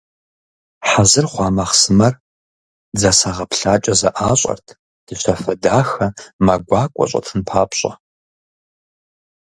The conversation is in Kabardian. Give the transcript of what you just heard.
Хьэзыр хъуа махъсымэр дзасэ гъэплъакIэ зэIащIэрт, дыщафэ дахэ, мэ гуакIуэ щIэтын папщIэ.